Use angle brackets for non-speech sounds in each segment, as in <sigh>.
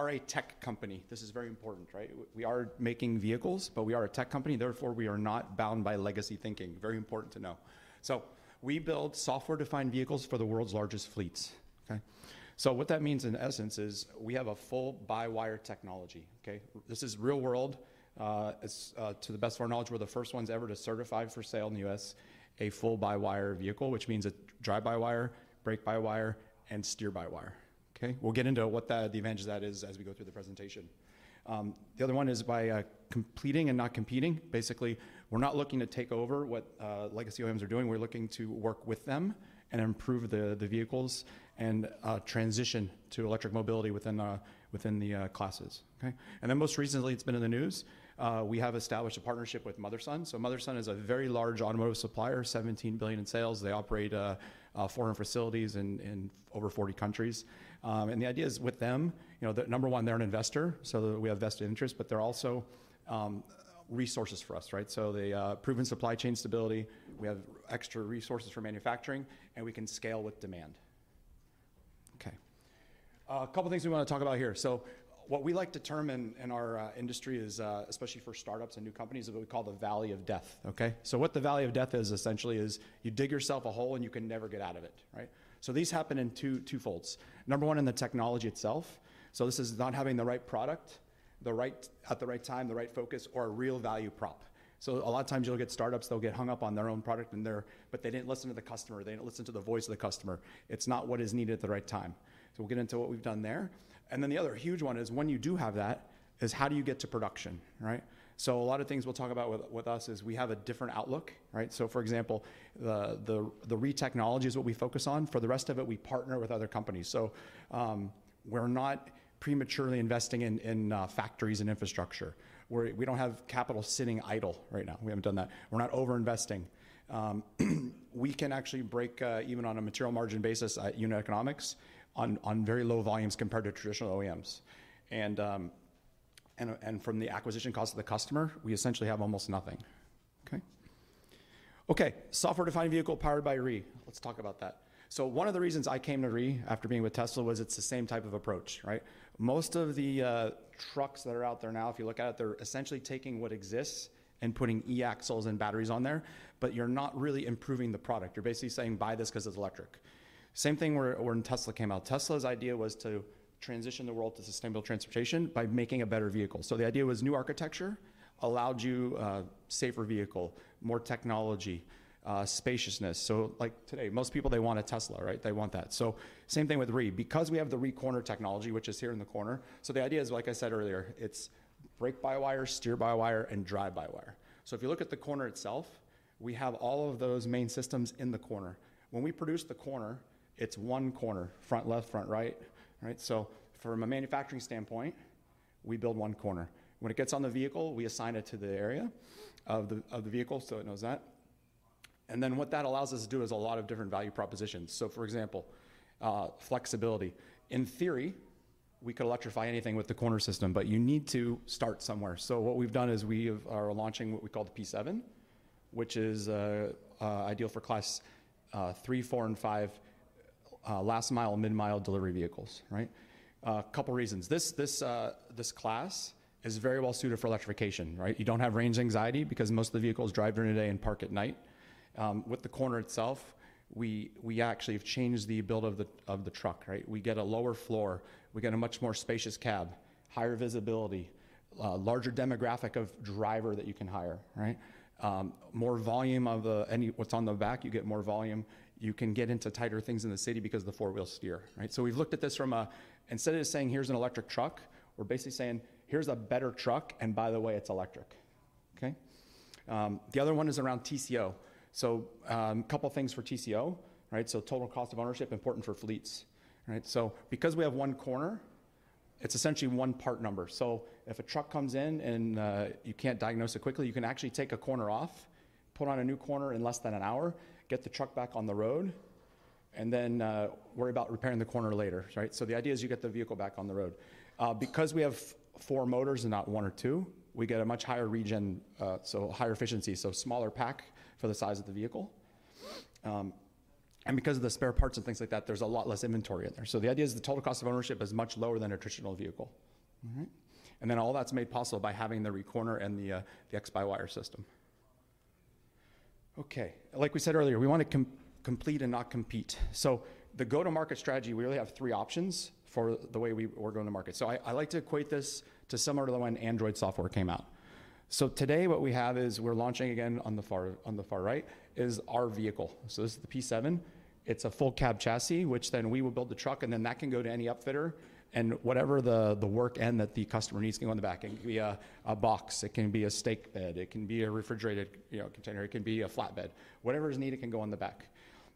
We are a tech company. This is very important, right? We are making vehicles, but we are a tech company. Therefore, we are not bound by legacy thinking. Very important to know. So we build software-defined vehicles for the world's largest fleets. Okay? So what that means in essence is we have a full by-wire technology. Okay? This is real-world. It's, to the best of our knowledge, we're the first ones ever to certify for sale in the U.S. a full by-wire vehicle, which means a drive-by-wire, brake-by-wire, and steer-by-wire. Okay? We'll get into what the advantage of that is as we go through the presentation. The other one is by competing and not competing. Basically, we're not looking to take over what legacy OEMs are doing. We're looking to work with them and improve the vehicles and transition to electric mobility within the classes. Okay? And then most recently, it's been in the news. We have established a partnership with Motherson. So Motherson is a very large automotive supplier, $17 billion in sales. They operate foreign facilities in over 40 countries. And the idea is with them, you know, that number one, they're an investor, so that we have vested interest, but they're also resources for us, right? So they proven supply chain stability. We have extra resources for manufacturing, and we can scale with demand. Okay. A couple of things we wanna talk about here. So what we like to term in our industry is, especially for startups and new companies, is what we call the valley of death. Okay? So what the valley of death is, essentially, is you dig yourself a hole, and you can never get out of it, right? So these happen in two folds. Number one, in the technology itself. So this is not having the right product at the right time, the right focus, or a real value prop. So a lot of times, you'll get startups. They'll get hung up on their own product, but they didn't listen to the customer. They didn't listen to the voice of the customer. It's not what is needed at the right time. So we'll get into what we've done there. And then the other huge one is when you do have that, how do you get to production, right? So a lot of things we'll talk about with us is we have a different outlook, right? So for example, the REE technology is what we focus on. For the rest of it, we partner with other companies. So, we're not prematurely investing in factories and infrastructure. We're. We don't have capital sitting idle right now. We haven't done that. We're not over-investing. We can actually break even on a material margin basis at unit economics on very low volumes compared to traditional OEMs. And, and, and from the acquisition cost of the customer, we essentially have almost nothing. Okay? Okay. Software-defined vehicle powered by REE. Let's talk about that. So one of the reasons I came to REE after being with Tesla was it's the same type of approach, right? Most of the trucks that are out there now, if you look at it, they're essentially taking what exists and putting e-axles and batteries on there, but you're not really improving the product. You're basically saying, "Buy this 'cause it's electric." Same thing where, where in Tesla came out. Tesla's idea was to transition the world to sustainable transportation by making a better vehicle. So the idea was new architecture allowed you a safer vehicle, more technology, spaciousness. Like today, most people, they want a Tesla, right? They want that. Same thing with REE. Because we have the REEcorner technology, which is here in the corner, so the idea is, like I said earlier, it's brake-by-wire, steer-by-wire, and drive-by-wire. So if you look at the corner itself, we have all of those main systems in the corner. When we produce the corner, it's one corner, front left, front right, right? So from a manufacturing standpoint, we build one corner. When it gets on the vehicle, we assign it to the area of the, of the vehicle so it knows that. And then what that allows us to do is a lot of different value propositions. So for example, flexibility. In theory, we could electrify anything with the corner system, but you need to start somewhere. So what we've done is we are launching what we call the P7, which is ideal for Class 3, 4, and 5 last-mile, mid-mile delivery vehicles, right? A couple of reasons. This class is very well suited for electrification, right? You don't have range anxiety because most of the vehicles drive during the day and park at night. With the corner itself, we actually have changed the build of the truck, right? We get a lower floor. We get a much more spacious cab, higher visibility, larger demographic of driver that you can hire, right? More volume, and what's on the back, you get more volume. You can get into tighter things in the city because of the four-wheel steer, right? So we've looked at this from a, instead of saying, "Here's an electric truck," we're basically saying, "Here's a better truck, and by the way, it's electric." Okay? The other one is around TCO. So, a couple of things for TCO, right? So total cost of ownership, important for fleets, right? So because we have one corner, it's essentially one part number. So if a truck comes in and you can't diagnose it quickly, you can actually take a corner off, put on a new corner in less than an hour, get the truck back on the road, and then worry about repairing the corner later, right? So the idea is you get the vehicle back on the road because we have four motors and not one or two, we get a much higher regen, so higher efficiency, so smaller pack for the size of the vehicle. Because of the spare parts and things like that, there's a lot less inventory in there. So the idea is the total cost of ownership is much lower than a traditional vehicle, all right? And then all that's made possible by having the REEcorner and the x-by-wire system. Okay. Like we said earlier, we wanna complete and not compete. So the go-to-market strategy, we really have three options for the way we were going to market. So I like to equate this to similar to when Android software came out. So today, what we have is we're launching again. On the far right is our vehicle. So this is the P7. It's a full cab chassis, which then we will build the truck, and then that can go to any upfitter and whatever the work end that the customer needs can go in the back. It can be a box. It can be a stake bed. It can be a refrigerated, you know, container. It can be a flatbed. Whatever is needed, it can go on the back.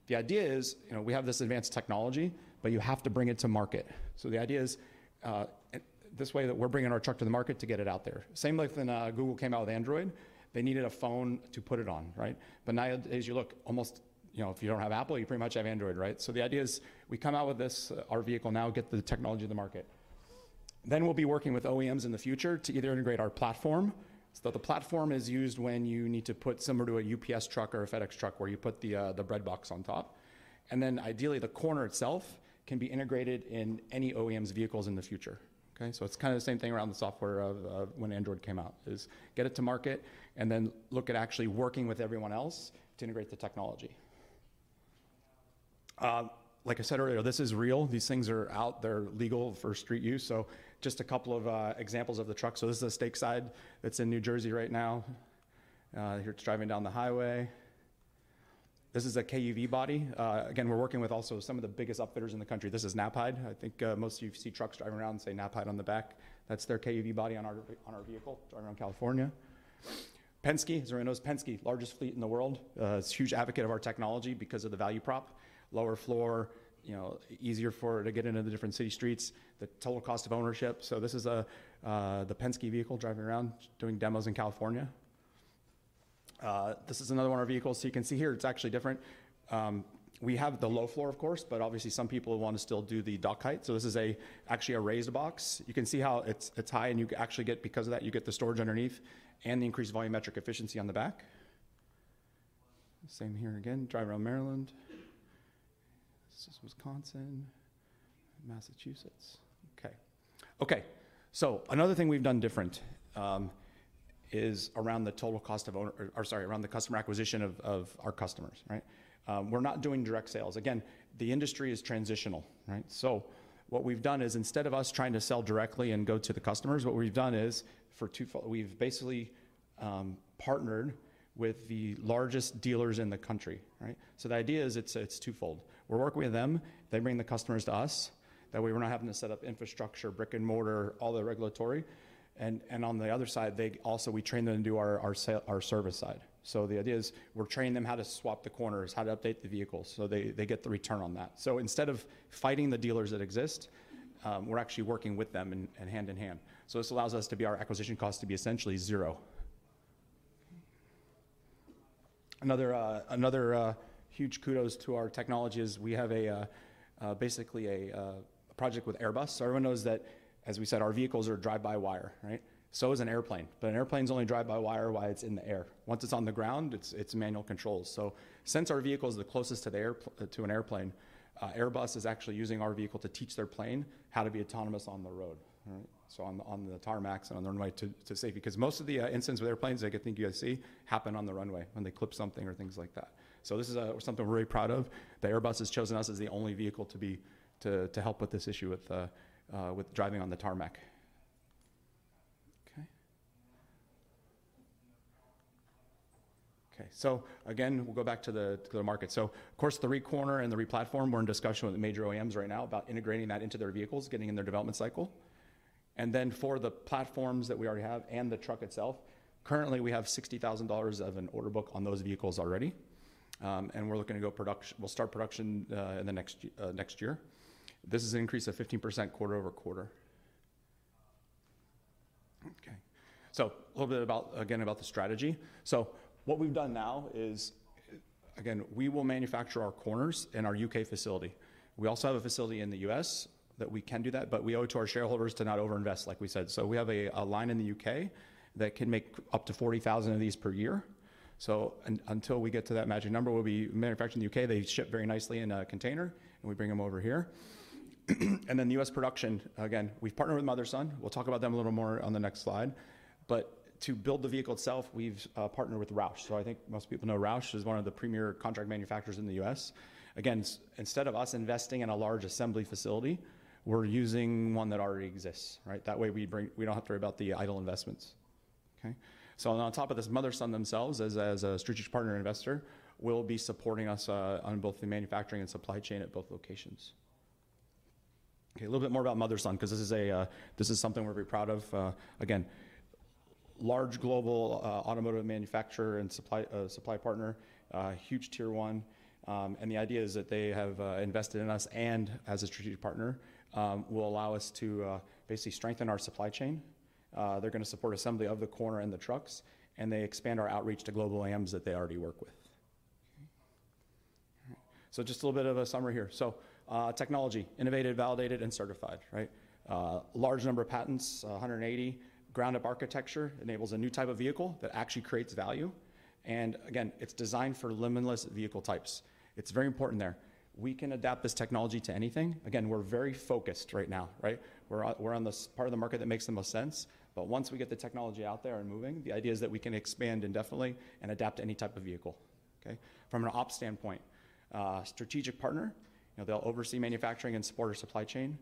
The idea is, you know, we have this advanced technology, but you have to bring it to market. So the idea is, this way that we're bringing our truck to the market to get it out there. Same like when Google came out with Android, they needed a phone to put it on, right? But nowadays, you look almost, you know, if you don't have Apple, you pretty much have Android, right? So the idea is we come out with this, our vehicle now, get the technology to the market. Then we'll be working with OEMs in the future to either integrate our platform. So the platform is used when you need to put similar to a UPS truck or a FedEx truck where you put the breadbox on top. And then ideally, the corner itself can be integrated in any OEM's vehicles in the future. Okay? So it's kinda the same thing around the software of when Android came out is get it to market and then look at actually working with everyone else to integrate the technology. Like I said earlier, this is real. These things are out. They're legal for street use. So just a couple of examples of the truck. So this is a stake side. It's in New Jersey right now. Here it's driving down the highway. This is a KUV body. Again, we're working with also some of the biggest upfitters in the country. This is Knapheide. I think, most of you've seen trucks driving around and see Knapheide on the back. That's their KUV body on our vehicle driving around California. Penske is everyone knows Penske's largest fleet in the world. It's a huge advocate of our technology because of the value prop. Lower floor, you know, easier for it to get into the different city streets. The total cost of ownership. So this is a, the Penske vehicle driving around doing demos in California. This is another one of our vehicles. So you can see here, it's actually different. We have the low floor, of course, but obviously, some people wanna still do the dock height. So this is actually a raised box. You can see how it's, it's high, and you actually get, because of that, you get the storage underneath and the increased volumetric efficiency on the back. Same here again. Drive around Maryland. This is Wisconsin, Massachusetts. Okay. Okay. So another thing we've done different, is around the total cost of ownership, or sorry, around the customer acquisition of, of our customers, right? We're not doing direct sales. Again, the industry is transitional, right? So what we've done is instead of us trying to sell directly and go to the customers, what we've done is it's twofold, we've basically, partnered with the largest dealers in the country, right? So the idea is it's, it's twofold. We're working with them. They bring the customers to us. That way, we're not having to set up infrastructure, brick and mortar, all the regulatory. And on the other side, they also we train them to do our sale, our service side. So the idea is we're training them how to swap the corners, how to update the vehicles so they get the return on that. So instead of fighting the dealers that exist, we're actually working with them and hand in hand. So this allows us to be our acquisition cost to be essentially zero. Another huge kudos to our technology is we have basically a project with Airbus. So everyone knows that, as we said, our vehicles are drive-by-wire, right? So is an airplane. But an airplane's only drive-by-wire while it's in the air. Once it's on the ground, it's manual controls. So since our vehicle's the closest to an airplane, Airbus is actually using our vehicle to teach their plane how to be autonomous on the road, all right? So on the tarmacs and on the runway to safety. 'Cause most of the incidents with airplanes that I can think you guys see happen on the runway when they clip something or things like that. So this is something we're very proud of. Airbus has chosen us as the only vehicle to help with this issue with driving on the tarmac. Okay. So again, we'll go back to the market. So of course, the REEcorner and the REEplatform, we're in discussion with major OEMs right now about integrating that into their vehicles, getting in their development cycle. And then for the platforms that we already have and the truck itself, currently, we have $60,000 of an order book on those vehicles already. We're looking to go production. We'll start production in the next year. This is an increase of 15% quarter over quarter. Okay. So a little bit about the strategy again. What we've done now is we will manufacture our corners in our U.K. facility. We also have a facility in the U.S. that we can do that, but we owe it to our shareholders to not over-invest, like we said. So we have a line in the U.K. that can make up to 40,000 of these per year. Until we get to that magic number, we'll be manufacturing in the U.K. They ship very nicely in a container, and we bring them over here. And then U.S. production, again, we've partnered with Motherson. We'll talk about them a little more on the next slide. But to build the vehicle itself, we've partnered with Roush. So I think most people know Roush is one of the premier contract manufacturers in the U.S. Again, instead of us investing in a large assembly facility, we're using one that already exists, right? That way, we don't have to worry about the idle investments. Okay? So on top of this, Motherson themselves as a strategic partner investor will be supporting us, on both the manufacturing and supply chain at both locations. Okay. A little bit more about Motherson 'cause this is something we're very proud of. Again, large global automotive manufacturer and supply partner, huge tier one. And the idea is that they have invested in us and as a strategic partner will allow us to basically strengthen our supply chain. They're gonna support assembly of the corner and the trucks, and they expand our outreach to global OEMs that they already work with. Okay. All right. So just a little bit of a summary here. So, technology innovated, validated, and certified, right? Large number of patents, 180. Ground-up architecture enables a new type of vehicle that actually creates value. And again, it's designed for limitless vehicle types. It's very important there. We can adapt this technology to anything. Again, we're very focused right now, right? We're on this part of the market that makes the most sense. But once we get the technology out there and moving, the idea is that we can expand indefinitely and adapt to any type of vehicle, okay, from an Ops standpoint. Strategic partner, you know, they'll oversee manufacturing and support our supply chain.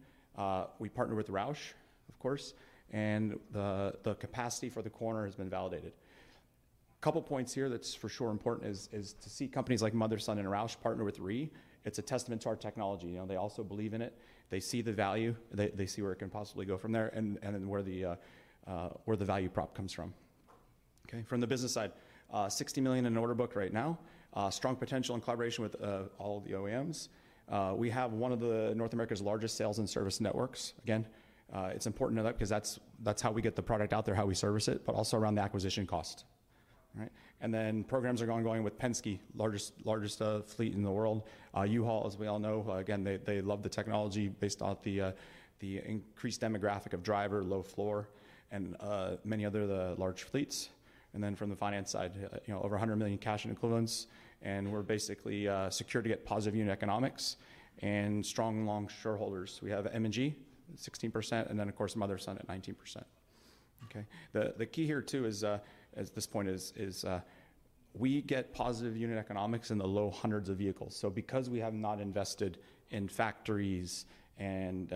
We partner with Roush, of course, and the capacity for the corner has been validated. A couple of points here that's for sure important is to see companies like Motherson and Roush partner with REE. It's a testament to our technology. You know, they also believe in it. They see the value. They see where it can possibly go from there and then where the value prop comes from. Okay. From the business side, $60 million in order book right now. Strong potential in collaboration with all the OEMs. We have one of North America's largest sales and service networks. Again, it's important to that 'cause that's how we get the product out there, how we service it, but also around the acquisition cost, right? And then programs are ongoing with Penske, largest fleet in the world. U-Haul, as we all know, again, they love the technology based off the increased demographic of driver, low floor, and many other of the large fleets. And then from the finance side, you know, over $100 million in cash equivalents. And we're basically secured to get positive unit economics and strong, long-term shareholders. We have M&G, 16%, and then, of course, Motherson at 19%. Okay? The key here too is, at this point is, we get positive unit economics in the low hundreds of vehicles. So because we have not invested in factories and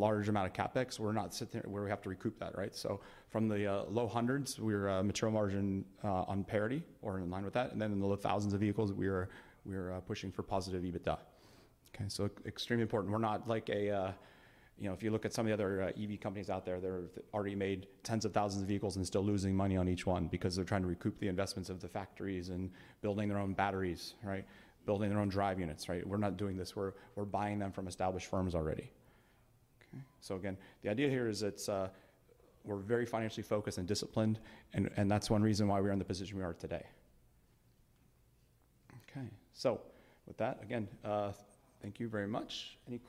large amount of CapEx, we're not sitting where we have to recoup that, right? So from the low hundreds, we're material margin on parity or in line with that. And then in the low thousands of vehicles, we are pushing for positive EBITDA. Okay? So extremely important. We're not like a you know, if you look at some of the other EV companies out there, they've already made tens of thousands of vehicles and still losing money on each one because they're trying to recoup the investments of the factories and building their own batteries, right? Building their own drive units, right? We're not doing this. We're buying them from established firms already. Okay? So again, the idea here is it's, we're very financially focused and disciplined, and that's one reason why we're in the position we are today. Okay. So with that, again, thank you very much. Any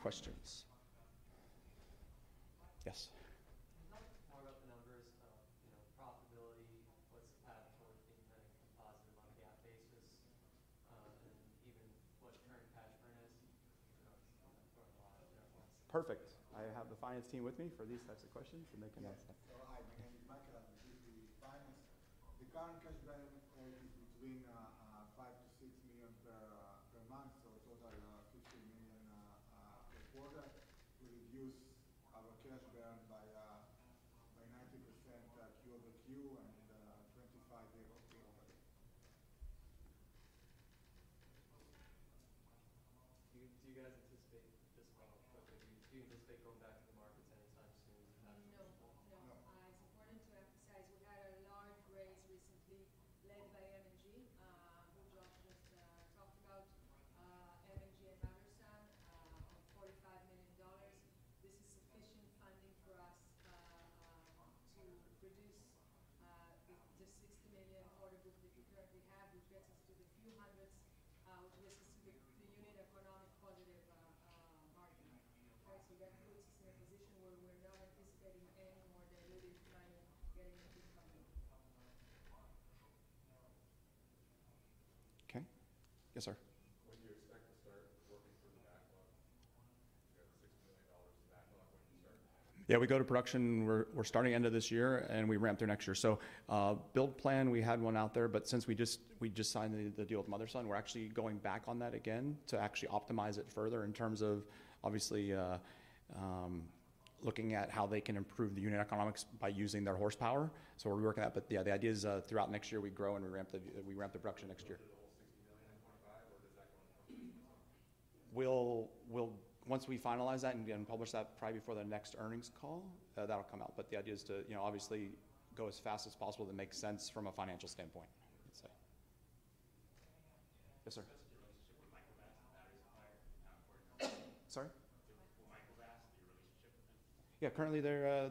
questions? Yes I'd like to know about the numbers of, you know, profitability, what's the path towards getting that income positive on a GAAP basis, and even what current cash burn is? I know it's going a lot in that way. Perfect. I have the finance team with me for these types of questions, and they can help. Yes. Hello. Hi, my name is Michael. I'm the chief finance. <audio distortion> We'll once we finalize that and publish that probably before the next earnings call, that'll come out. But the idea is to, you know, obviously, go as fast as possible to make sense from a financial standpoint, I'd say. Yes, sir. <audio distortion> Sorry? <audio distortion> Yeah. Currently, they're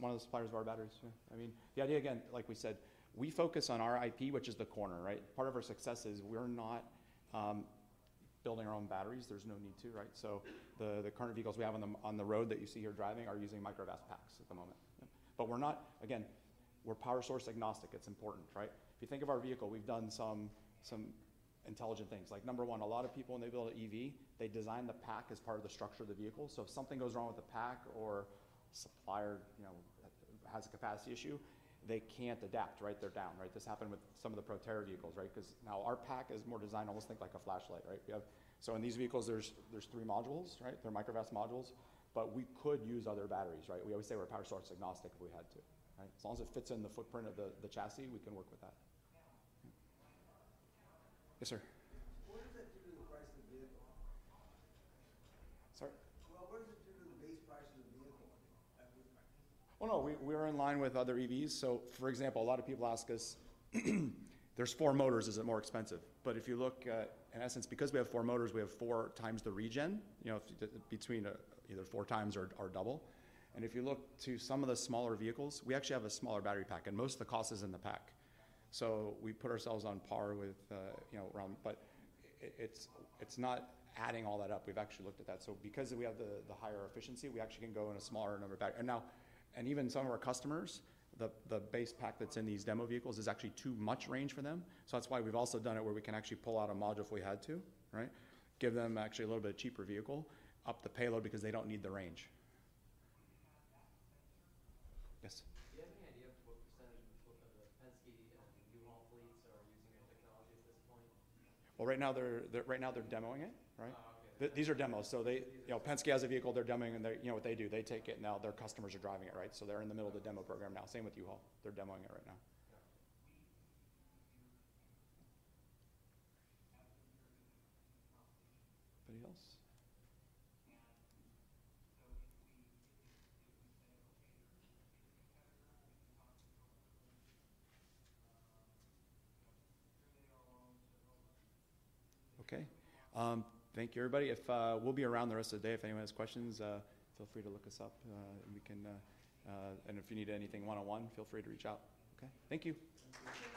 one of the suppliers of our batteries. Yeah. I mean, the idea, again, like we said, we focus on our IP, which is the corner, right? Part of our success is we're not building our own batteries. There's no need to, right? So the current vehicles we have on the road that you see here driving are using Microvast packs at the moment. Yeah. But we're not, again, power source agnostic. It's important, right? If you think of our vehicle, we've done some intelligent things. Like number one, a lot of people, when they build an EV, they design the pack as part of the structure of the vehicle. So if something goes wrong with the pack or supplier, you know, has a capacity issue, they can't adapt, right? They're down, right? This happened with some of the Proterra vehicles, right? 'Cause now our pack is more designed, almost think like a flashlight, right? We have, so in these vehicles, there's three modules, right? They're Microvast modules, but we could use other batteries, right? We always say we're power source agnostic if we had to, right? As long as it fits in the footprint of the chassis, we can work with that. Yes, sir. What does that do to the price of the vehicle? Sorry? <audio distortion> Well, no, we are in line with other EVs. So for example, a lot of people ask us, there's four motors, is it more expensive? But if you look, in essence, because we have four motors, we have four times the regen, you know, if between a either four times or double. If you look to some of the smaller vehicles, we actually have a smaller battery pack, and most of the cost is in the pack. So we put ourselves on par with, you know, around, but it's not adding all that up. We've actually looked at that. So because we have the higher efficiency, we actually can go in a smaller number of batteries. Now, even some of our customers, the base pack that's in these demo vehicles is actually too much range for them. So that's why we've also done it where we can actually pull out a module if we had to, right? Give them actually a little bit cheaper vehicle, up the payload because they don't need the range. Yes. Do you have any idea of what percentage of the Penske and U-Haul fleets are using our technology at this point? Well, right now they're demoing it, right? Oh, okay. These are demos. So they, you know, Penske has a vehicle, they're demoing it, and they're, you know, what they do, they take it, and now their customers are driving it, right? So they're in the middle of the demo program now. Same with U-Haul. They're demoing it right now. We actually have been serving the proposition. Anybody else? <audio distortion> Okay. Thank you, everybody. We'll be around the rest of the day. If anyone has questions, feel free to look us up, and we can, and if you need anything one-on-one, feel free to reach out. Okay? Thank you. Thank you.